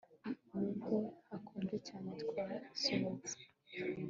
Nubwo hakonje cyane twasohotse